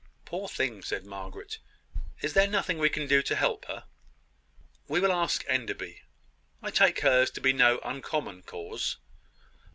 "Poor thing!" said Margaret. "Is there nothing we can do to help her?" "We will ask Enderby. I take hers to be no uncommon case.